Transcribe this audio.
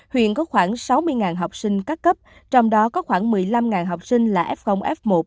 huyện có khoảng sáu mươi học sinh các cấp trong đó có khoảng một mươi năm học sinh là f f một